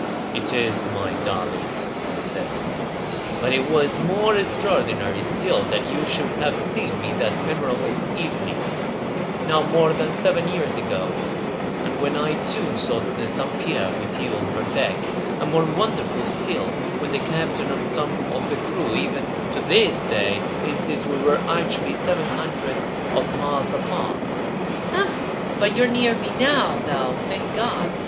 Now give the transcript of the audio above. "It is, my darling," said I. "But it was more extraordinary still that you should have seen me that memorable evening, now more than seven years ago, and when I too saw the Saint Pierre with you on her deck, and more wonderful still, when the captain and some of the crew even to this day insist we were actually several hundreds of miles apart!" "Ah, but you are near me now, though, thank God!"